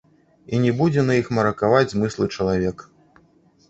І не будзе на іх маракаваць змыслы чалавек.